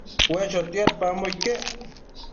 ue chotiadpambo iquec